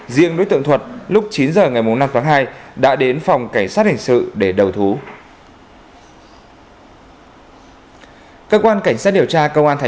riêng đối tượng thuật lúc chín h ngày năm tháng hai đã đến phòng cảnh sát hình sự để đầu thú